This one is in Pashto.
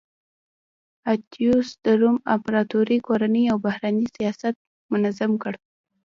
اتیوس د روم امپراتورۍ کورنی او بهرنی سیاست منظم کړ